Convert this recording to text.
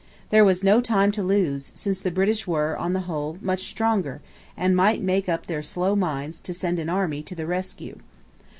There was no time to lose, since the British were, on the whole, much stronger, and might make up their slow minds to send an army to the rescue.